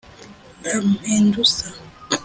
Lampedusa